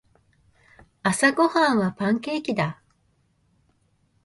朝ごはんはパンケーキだ。